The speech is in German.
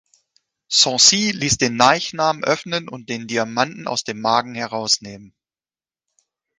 Sancy ließ den Leichnam öffnen und den Diamanten aus dem Magen herausnehmen.